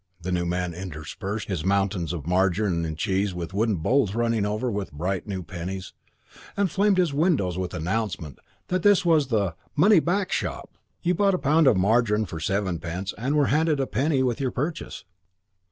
the new man interspersed his mountains of margarine and cheese with wooden bowls running over with bright new pennies, and flamed his windows with announcements that this was "The Money back Shop." You bought a pound of margarine for sevenpence and were handed a penny with your purchase!